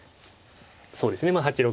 そうですねまあ８六